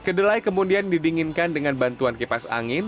kedelai kemudian didinginkan dengan bantuan kipas angin